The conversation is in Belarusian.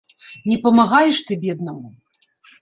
Не памагаеш ты беднаму!